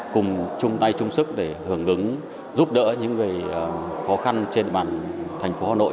cùng chung tay chung sức để hưởng ứng giúp đỡ những người khó khăn trên địa bàn thành phố hà nội